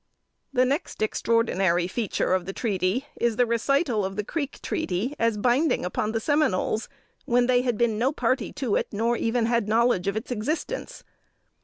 The next extraordinary feature of the treaty, is the recital of the Creek treaty as binding upon the Seminoles, when they had been no party to it, nor even had knowledge of its existence.